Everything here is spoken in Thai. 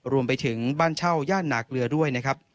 รวมไปถึงบ้านเช่าย่านหนาเกลือด้วยนะครับ